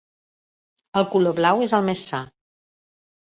El color blau és el més sa.